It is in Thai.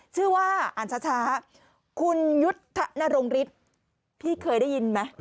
ชื่อว่าอ่านช้าคุณยุทธนรงฤทธิ์พี่เคยได้ยินไหม